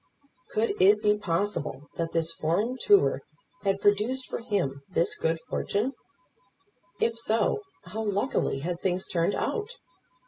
Could it be possible that this foreign tour had produced for him this good fortune? If so, how luckily had things turned out!